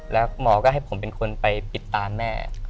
แล้วหมอก็ให้ผมเป็นคนไปปิดตาแม่